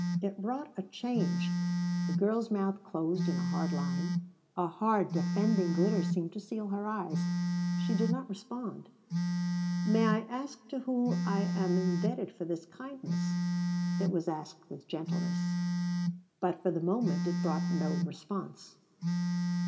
It wrought a change. The girl's mouth closed in a hard line. A hard, defending glitter seemed to seal her eyes. She did not respond. "May I ask to whom I am indebted for this kindness?" It was asked with gentleness. But for the moment it brought no response.